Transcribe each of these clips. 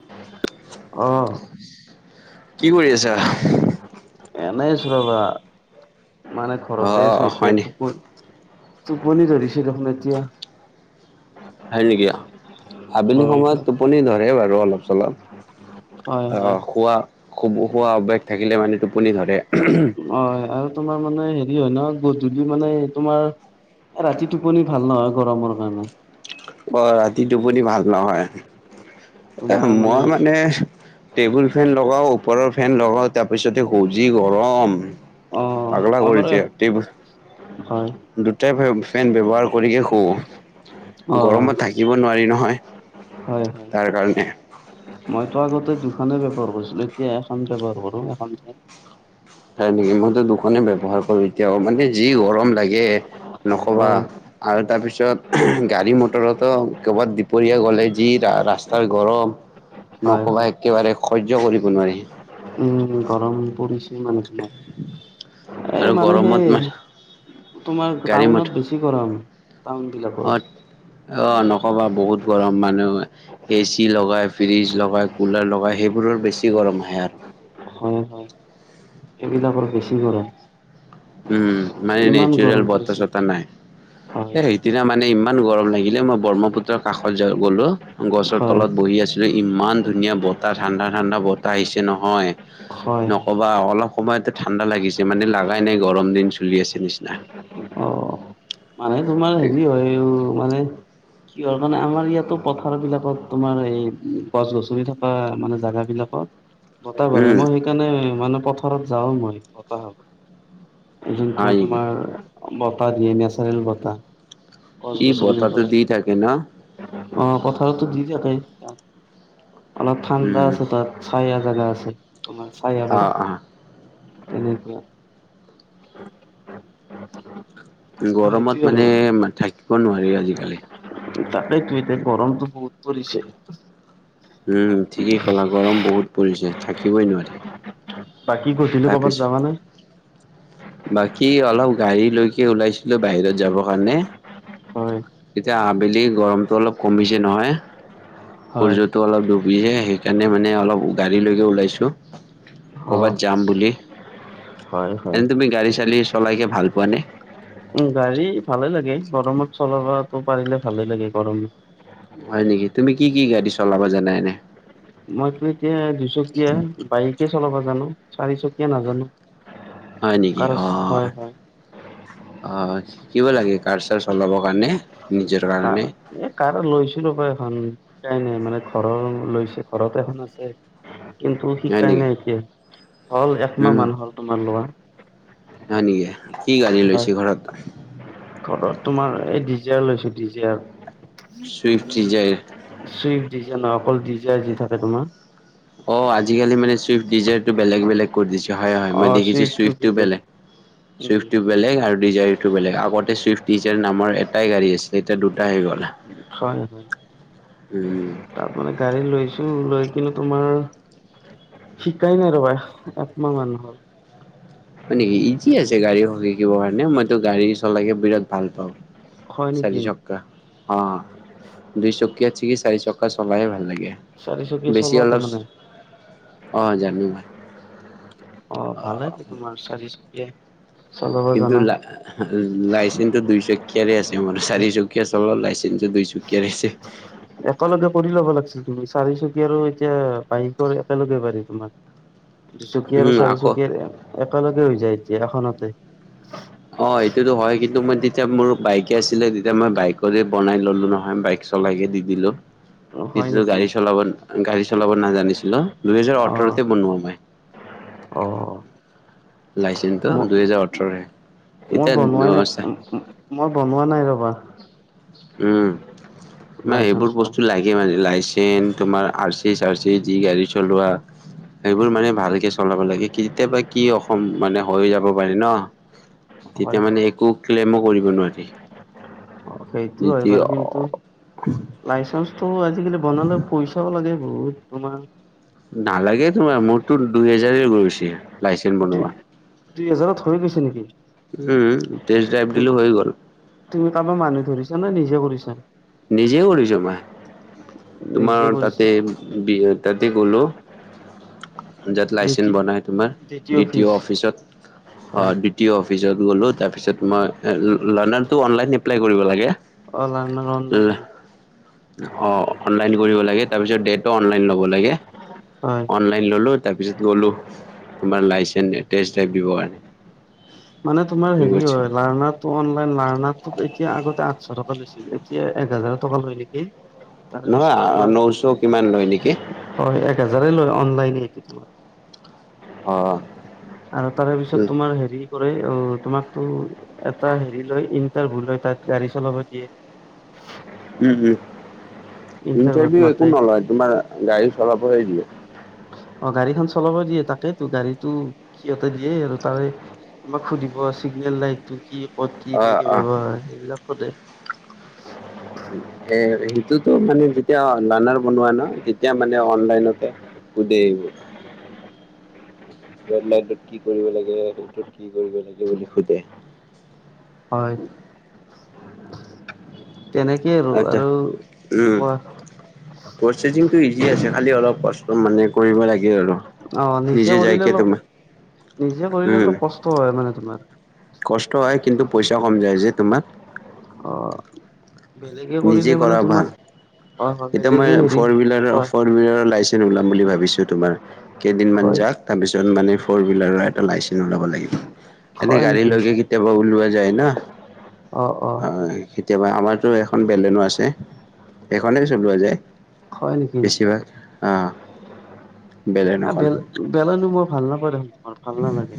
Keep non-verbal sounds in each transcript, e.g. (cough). অ কি কৰি আছা এনেই আছো ৰবা মানে ঘৰতে অ' আছো হয় এতিয়া নি টোপ টোপনি ধৰিছে দেখোন এতিয়া হয় নেকি আবেলি হয়, সময়ত টোপনি ধৰে বাৰু অলপ চলপ হয়, আহ হয়, শুৱা শুৱা অভ্যাস থাকিলে মানে টোপনি ধৰে অ আউত তোমাৰ মানে হেৰি হয় ন গধূলি মানে তোমাৰ এ ৰাতি টোপনি ভাল নহয় গৰমৰ কাৰণে অ ৰাতি টোপনি ভাল নহয় এ মই মানে টেবুল ফেন লগাওঁ ওপৰৰ ফেন লগাওঁ তাৰপিছতহে শুৱ যি গৰম অ', পাগলা মই বাৰু কৰিছে টেবুল হয়, দুটা ফেন ব্যৱহাৰ কৰিয়ে শুৱ অ', গৰমত থাকি থাকিব নোৱাৰি হয়, নহয় হয়। তাৰ কাৰণে মইতো আগতে দুখনে ব্যৱহাৰ কৰিছিলো এতিয়া এখন ব্যৱহাৰ কৰো এখনহে হয় নেকি মইতো দুখনে ব্যৱহাৰ কৰো এতিয়াও মানে যি গৰম লাগে নকবা হয়, আৰু তাৰপিছত গাড়ী মটৰৰতো ক'ৰবাত দুপৰীয়া গ'লে যি ৰাস্তাৰ গৰম হয়, নকবা হয়। একেবাৰে সয্য কৰিব নোৱাৰি উম গৰম পৰিছে মানুহৰ এ আৰু মানে গৰমত সেই মানে তোমাৰ গাড়ী টাউনত মটৰত বেছি গৰম টাউন বিলাকৰ অ নক'বা বহুত গৰম মানুহ এ চি লগাই ফ্ৰীজ লগাই কুলাৰ লগায় সেইবোৰৰ বেছি গৰম আহে আৰু হয় হয় এইবিলাকৰ বেছি গৰম উম মানে ইমান নেচাৰেল গৰম বতাহ পৰিছে চতাহ নাই হয় এই সিদিনা মানে ইমান গৰম লাগিলে মই ব্ৰহ্মপুত্ৰৰ কাষত গলো গছৰ হয় তলত বহি আছো ইমান ধুনীয়া বতাহ ঠাণ্ডা ঠাণ্ডা বতাহ আহিছে নহয় হয় হয় নকবা অলপ সময়তে ঠাণ্ডা লাগিছে মানে লগাই নাই গৰম দিন চলি আছে নিচিনা অ মানে তোমাৰ হেৰি হয় উ মানে কি হয় মানে আমাৰ ইয়াতো পথাৰ বিলাকত তোমাৰ এই গছ গছনি থকা মানে জাগা বিলাকত বতাহ মাৰে উম মই সেইকাৰণে মানে পথাৰত যাওঁ মই বতাহ খাব যোনটো হয় নেকি তোমাৰ বতাহ দিয়ে নেচাৰেল বতাহ গছ ই গছনিৰ বতাহটো পৰাই দি থাকে ন অ পথাৰতো দি থাকে অলপ ঠাণ্ডা উম আছে তাত চাইয়া জাগা আছে তোমাৰ অ চাইয়াবোৰ অ তেনেকুৱা সেইটোৱে গৰমত আৰু মানে থাকিব নোৱাৰি আজিকালি তাতেতো এতিয়া গৰমটো বহুত পৰিছে উম ঠিকেই ক'লা গৰম বহুত পৰিছে থাকিবই নোৱাৰি বাকী কৈছিলো ক'ৰবাত তাৰপিছত যাবা নে বাকী অলপ গাড়ী লৈকে ওলাইছিলো বাহিৰত যাবৰ কাৰণে হয় এতিয়া আবেলি গৰমটো অলপ কমিছে নহয় হয়, সূৰ্য্য টো অলপ ডুবিছে সেইকাৰণে মানে অলপ গাড়ী লৈকে ওলাইছো কৰ'বাত অ', যাম বুলি হয়, হয়। এনে তুমি গাড়ী চাড়ী চলাইকে ভাল পোৱানে উম গাড়ী ভালে লাগে গৰমত চলাবাতো পাৰিলে ভালে লাগে গৰম হয় নেকি তুমি কি কি গাড়ী চলাব জানা এনে মইতো এতিয়া দুচকীয়া বাইকে চলাবা জানো চাৰিচকীয়া নাজানো হয় নেকি কাৰ আছে আহ হয়, হয়, অ শিকিব লাগে কাৰ চাৰ চলাবৰ কাৰণে নিজৰ কাৰ কাৰণে এ কাৰ লৈছিলো ৰবা এখন শিকাই নাই মানে ঘৰৰ লৈছে ঘৰত এখন আছে কিন্তু হয় শিকাই নেকি নাই এতিয়া হ'ল একমাহ উম মান হ'ল তোমাৰ লোৱা হয় নেকি কি গাড়ী হয় লৈছে ঘৰত ঘৰত তোমাৰ এই ডিজিয়াৰ লৈছো ডিজিয়াৰ চুইফ্টি ডিজাইৰ চুইফ্ট ডিজাই নহয় অকল ডিজাই যি থাকে তোমাৰ অ আজিকালি মানে চুইফ্ট ডিজাৰটো বেলেগ বেলেগ কৰি দিছে হয় হয় অ মই দেখিছো চুইফ্টটো চুইফ বেলেগ উম চুউফ টো বেলেগ আৰু ডিজাৰটো বেলেগ আগতে ছুইফট ডিজাৰ নামৰ এটাই গাড়ী আছে এতিয়া দুটা আহি গল উম তাত মানে গাড়ী লৈছো আহিছোঁ লৈ কিনে তোমাৰ শিকাই নাই ৰবা একমাহ হ'ল হয় নেকি ইজি আছে গাড়ী শিকিব কাৰণে মইতো গাড়ী চলাকে বিৰাট ভাল পাওঁ হয় নেকি চাৰি চক্কা, অ', দুই চকীয়া চিকি চাৰি চক্কা চলাই হে ভাল লা গে চাৰিচকীয়া বেছি চলোৱা অলপ তাৰমানে অ জানো মই। অ ভাল হয় যে তোমাৰ চাৰি চকীয়া কিন্তু লা লাইচেঞ্চটো দুইচকীয়াৰে আছে মোৰা চাৰিচকীয়া চলোৱা লাইচেঞ্চটো দুইচকীয়াৰে আছে। একেলগে কৰি ল'ব লাগিছিল তুমি চাৰি চকীয়া আৰু এতিয়া বাইকৰ একেলগে পাৰি তোমাৰ দুচকীয়া উম আৰু আকৌ চাৰিচকীয়া একেলগে হৈ যায় এতিয়া, এখনতে। অ সেইটোতো হয় কিন্তু মই যেতিয়া মোৰ বাইকে আছিলে তেতিয়া মই বাইকৰে বনাই ললো নহয় বাইক চলাইকে দি দিলো। হয় কিছু নেকি গাড়ী চলাব গাড়ী চলাব নাজানিছিলো, দুইহেজাৰ ওঠৰতে বনোৱা মই। অহ। লাইচেন্ঞ্চটো ম দুহেজাৰ ওঠৰৰে মোৰ এতিয়া বনোৱাই নাই মই বনোৱা নাই ৰ'বা। উম (unintelligible) এইবোৰ লাইচেন্ঞ্চটো বস্তু লাগ লাগে মানে লাইচেঞ্চ, তোমাৰ আৰ চি, চাৰ চি, যি গাড়ী চলোৱা সেইবোৰ মানে ভালকে চলাব লাগে, কেতিয়াবা কি অসম মানে হৈ যাব পাৰি ন তেতিয়া মানে একো ক্লেমো কৰিব নোৱাৰি অ সেইটো হয় যদি বাৰু কিন্তু লাইচেন্ঞ্চটো আজিকালি বনালে পই চাও লাগে বহুত তোমাৰ। নালাগে তোমাৰ, মোৰতো দুহেজাৰহে গৈছে লাইচেন্ঞ্চ দুই বনোৱা। দুই হেজাৰত হৈ গৈছে নেকি উম, তেষ্ট ড্ৰাইভ দিলো হৈ গ'ল। তুমি কাৰোবাৰ মানুহ ধৰিছা নে নিজে কৰিছা। নিজে কৰিছোঁ মই নিজে তোমাৰ কৰিছা তাতে বি তাতে গলো যাত লাইচেন্স বনাই তোমাৰ দ্বিতীয় দ্বিতিঅ ফিজ অফিচত অ হয় দ্বি টিঅ অফিচত গ'লোঁ, তাৰপিছত মই এ লা লানাৰটো অনলাইন এপ্লাই কৰিব লাগে। অ লাৰ্ণাৰ অনলাইন লা হয় অ', অনলাইন কৰিব লাগে, তাৰপিছত ডেটো অনলাইন লব লাগে, হয় অন (unintelligible) ৰ কাৰণে মানে তোমাৰ হেৰি হয়, লাৰনাৰ। ত অনলাইন লাৰ্নাৰ এতিয়া আগতে আঠশ টকা লৈছিল, এতিয়া এক হাজাৰ টকা লয় নেকি। তাৰে নহয় পিছত তোমাৰ নশ কিমান লয় নেকি হয়, এক হোজাৰে লয় অনলাইন হেৰিটো তোমাৰ। অ আৰু তাৰে পিছত উম তোমাৰ হেৰি তোৰে অ তোমাকো এটা হেৰি লয় ইণ্টাৰভিউ লৈ তাত গাড়ী চলাব দিয়ে। উম উম ইণ্টাৰভিউত ইণ্টাৰভিউ একো মাতে নলয় তোমাৰ গাড়ী চলাব হে দিয়ে অ গাড়ীখন চলাব দিয়ে তাকেইটো গাড়ীটো সিহঁতে দিয়ে আৰু তাৰে তোমাক সুধিব, চিগনেল লাইটটো কি ক'ত কি? অ কেনেকে অ ব্যৱহাৰ, সেইবিলাক সোধে। এ সেইটোতো মানে যেতিয়া লানাৰ বনোৱা ন তেতিয়া মানে অনলাইনতে (unintelligible) ৰেড লাইনটোত কি কৰিব লাগে সেইটোত কি কৰিব লাগে বুলি সোধে হয়। তেনেকে আৰু আচ্ছা আৰু উম। কোৱা প্ৰচেচিংটো ইজি আছে, খালি অলপ কষ্ট মানে কৰিব লাগে আৰু। অ নিজে কৰিলে যাইকে অলপ তোমাৰ নিজে কৰিলে উম অলপ কষ্ট হয় মানে তোমাৰ কষ্ট হয়, কিন্তু পইচা কম যায় যে তোমাৰ। অ বেলেগে নিজে কৰিলে মানে কৰা তোমাৰ ভাল হয় হয়, বেলেগে হেৰি, কোৱা? মইও লাইচেন্ ওলাম বুলি ভাবিছো তোমাৰ কেইদিনমান হয় যাক তাৰপিছত মানে ফৰহুইলাৰৰ এটা লাইচেঞ ওলাব লাগিব। এনেই হয় গাড়ী নেকি লৈকে কেতিয়াবা ওলোৱা যায় ন অ কেতিয়াবা আমাৰতো এখন বেলেনো আছে সিমানেই চলোৱা যায়, হয় নেকি বেছিভাগ অহ বেলেন'খন। বেল বেলানো মই ভাল নাপাওঁ দেনো তোমাৰ ভাল নালাগে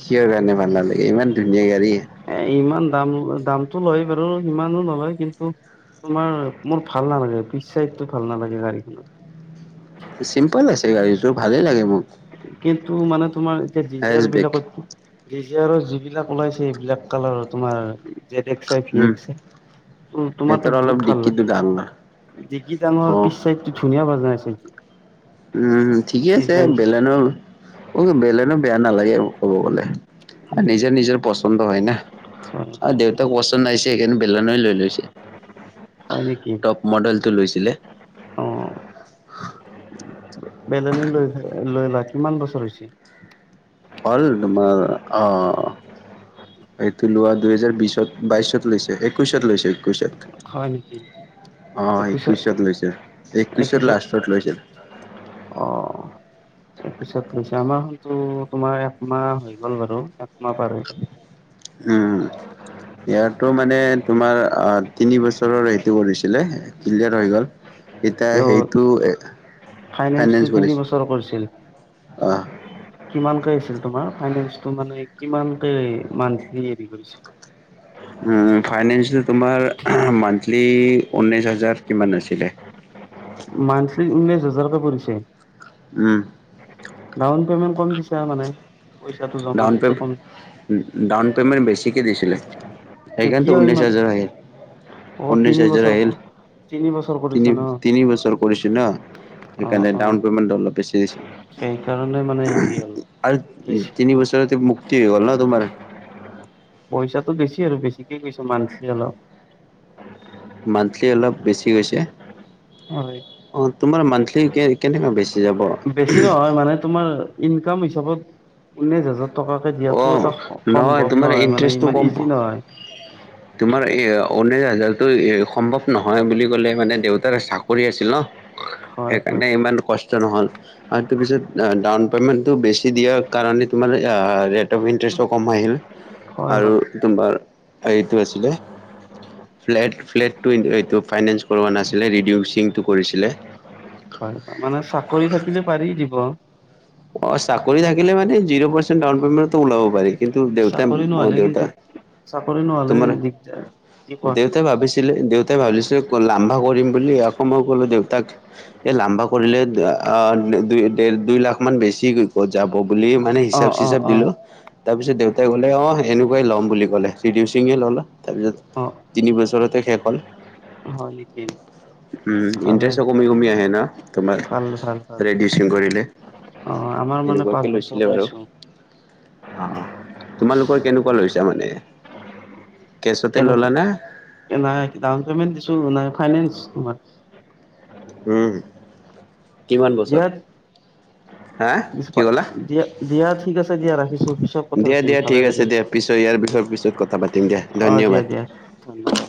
কিহৰ কাৰণে ভাল নালাগে? ইমান ধুনীয়া গাড়ী। এই ইমান দাম দামটো লয় বাৰু, ইমানো নলয় কিন্তু। তোমাৰ মোৰ ভাল নালাগে, পিচ চাইডটো ভাল নালাগে গাড়ীখনৰ। চিম্পল আছে গাড়ীটো, ভালেই লাগে মোক। কিন্তু মানে তোমাৰ এতিয়া জি জাৰ হেচবেক বিলাকত জি জে আৰৰ যিবিলাক ওলাইছে, এইবিলাক কালাৰৰ তোমাৰ। Z X R V um, X, সিহঁতৰ তোমাৰতো অলপ বহুত ভাল ডিক্কিটো লাগে। ডাঙৰ ডিগ্ৰি ডাঙৰ অ', পিছ চাইটো ধুনীয়া বনাইছে। উম ঠিকে আছে বেলেনো বেলেনো বেয়া নালাগে আৰু ক'ব গলে হয় নিজৰ নিজৰ পচন্দ হয় না। অ হয় হয় দেউতাক ৱাস্তন্দ নাইছে সেইকাৰণে বেলন লৈ লৈছে হয় নেকি টপ মডেলটো লৈছিলে অ বেলেনে লৈ লৈ লোৱা কিমান বছৰ হৈছে হ'ল তোমাৰ অহ। এইটো লোৱা দুহেজাৰ বিশত বাইশত লৈছে একৈশত লৈছে (unintelligible) অ', হয় নেকি একৈছত লৈছে, একৈছৰ একৈছত লাষ্টত লৈছে। অ। তাৰপিছত লৈছে। আমাৰখনতো তোমাৰ একমাহ হৈ গ'ল বাৰু, একমাহ পাৰ হৈ গ'ল। উম। ইয়াৰটো মানে তোমাৰ, অ' তিনি বছৰৰ এইটো কৰিছিলে। ক্লিয়াৰ হৈ গ'ল, এতিয়া সেইটো এ ফাইনেন্স কি তিনি বছৰ কৰিছিল। অ কিমানকে আহিছিল তোমাৰ ফাইনেঞটো মানে কিমান কে মানথলি হেৰি কৰিছি। ফাইনেন্সটো তোমাৰ মান্থলি ঊনৈছ হাজাৰ কিমান আছিলে। মান্থলি ঊনৈশ হাজাৰকে পৰিছে। উম। ডাউন পেমেণ্ট কম দিছা মানে। পইচাটো জমা ডাউন দিওঁতে পে' কম ডাউন পে'মেণ্ট বেছিকে দিছিলে। সেইকাৰণেটো কিয় ঊনৈছ ইমান হাজাৰ আহে। অ', উনৈছ তিনি হাজাৰ বছৰ আহিল, তিনি বছৰ কৰিছা তিনি ন তিনি বছৰ কৰিছোঁ ন। অ', সেইকাৰণে অ', ডাউন পেমেণ্টটো অলপ বেছি আহিছে। সেইকাৰণে মানে হেৰি হ'ল আৰু বেছি তিনি পিছত মুক্তি হ'ল ন তোমাৰ। পইচাটো বেছি আৰু বেছিকে কৈছো মানছে অলপ। মান্থলি অলপ বেছি হৈছে। হয়। অ', তোমাৰ মান্থলি কে কেনেকুৱা বেছি যাব। বেছি নহয় মানে তোমাৰ ইনকাম হিচাপত ঊনৈছ হাজাৰ। টকাকে দিয়াটো এটা স সম্ভৱ তোমাৰ নহয়, মানে ইণ্টাৰেষ্টটো ইমান কম ইজি নহয়। তোমাৰ এ ঊনৈছ হাজাৰতো সম্ভৱ নহয় বুলি ক'লে মানে দেউতাৰ চাকৰি আছিল ন। হয় হয় সেইকাৰণে ইমান কছ ট নহ'ল আৰু তাৰপিছত ডাউন পেমেণ্টটো বেছি দিয়াৰ কাৰণে তোমাৰ ইয়াৰ ৰেট অফ ইণ্টাৰেষ্টটো কম আহিল হয় আৰু তোমাৰ এইটো আছিলে। ফ্লেট ফ্লেটটো এইটো ফাইনেন্স কৰোৱা নাছিলে, ৰিডিউচিংটো কৰিছিলে। হয় মানে চাকৰি থাকিলে পাৰি দিব। অ', চাকৰি থাকিলে মানে জিৰ' পাৰ্চেণ ডাউন পেমেণ্টতো ওলাব পাৰি। কিন্তু দেউতা, চাকৰি অ, নহ'লে কিন্তু দেউতা, চাকৰি নহ'লে তোমাৰ দিগদাৰ কি কোৱা দে উতাই ভাবিছিলে, দেউতাই ভাবিছিলে লামভা কৰিম বুলি, আকৌ মই ক'লো দেউতাক। এ লাম্বা কৰিলে অ (inaudible) দু দুই লাখ। অকমান বেছি ক'ত যাব বুলি মানে অ হিচাপ অ চিচাপ অ দিলো। তাৰপিছত দেউতাই কলে অ এনেকুৱাই ল'ম বুলি কলে চিডিউ সিঙে ললে তাৰপিছত। অ তিনি বছৰতে শেষ হ'ল। হয় নেকি। উম ভালে ইণ্টাৰেষ্টো কমি ভাল কমি আহে ন তোমাৰ ভাল ভাল ভাল ৰেডিউচিং কৰিলে। অ আমাৰ মানে এনেকুৱাকে পাঁচ লৈছিলে বছৰ বাৰু কৰিছো। অ তোমালোকৰ কেনেকুৱা লৈছা মানে কেছতে কেনেকে ল'লানে। নাই ডাউন পে'মেণ্ট দিছো নাই ফাইনেন্স তোমাৰ। উম কিমান দিয়া বছৰ। হা কি ক'লা (inaudible) দিয়া দিয়া ঠিক আছে দিয়া ৰাখিছো পিছত কথা পাতিম ভালে। ঠিকে লাগিল আছে দিয়া পিছত ইয়াৰ পিছত কথা পাতিম দিয়া অ' দিয়া ধন্যবাদ। দিয়া ধন্যবাদ।